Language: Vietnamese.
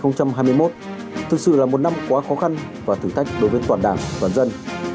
năm hai nghìn hai mươi một thực sự là một năm quá khó khăn và thử thách đối với toàn đảng toàn dân